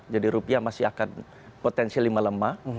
jadi rupiah masih akan potentially melemah